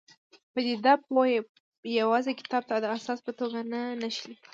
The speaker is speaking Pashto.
پدیده پوه یوازې کتاب ته د اساس په توګه نه نښلي.